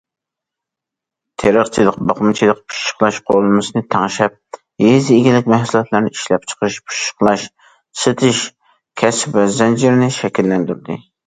تېرىقچىلىق، باقمىچىلىق، پىششىقلاش قۇرۇلمىسىنى تەڭشەپ، يېزا ئىگىلىك مەھسۇلاتلىرىنى ئىشلەپچىقىرىش، پىششىقلاش، سېتىش كەسىپ زەنجىرىنى شەكىللەندۈردى.